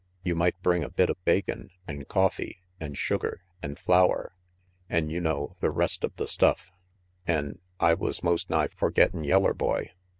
You might bring a bit of bacon, an' coffee, an' sugar, an' flour, an' you know, the rest of the stuff an', I was most nigh forgettin' yeller boy.